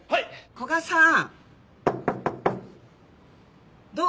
古雅さん！